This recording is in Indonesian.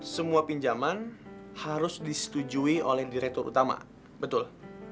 semua pinjaman harus disetujui oleh direktur utama betul